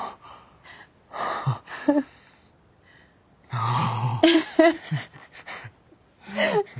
ああ。